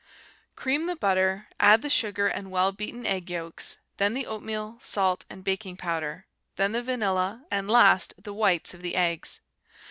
Cream the butter, add the sugar and well beaten egg yolks, then the oatmeal, salt, and baking powder, then the vanilla, and last the whites of the eggs.